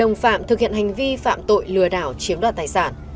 đồng phạm thực hiện hành vi phạm tội lừa đảo chiếm đoạt tài sản